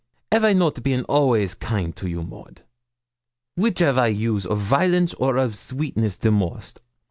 'Av I not been always kind to you, Maud? Which 'av I use of violence or of sweetness the most?